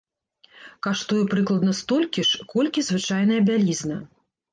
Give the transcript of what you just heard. Каштуе прыкладна столькі ж, колькі звычайная бялізна.